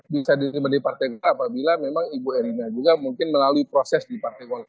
bisa diterima di partai golkar apabila memang ibu erina juga mungkin melalui proses di partai golkar